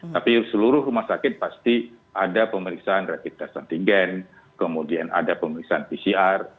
tapi seluruh rumah sakit pasti ada pemeriksaan rapid test antigen kemudian ada pemeriksaan pcr